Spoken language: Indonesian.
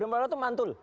demokrasi itu mantul